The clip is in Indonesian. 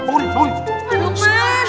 itu jangan berisik dong